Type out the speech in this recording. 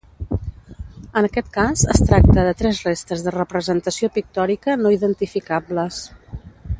En aquest cas es tracta de tres restes de representació pictòrica no identificables.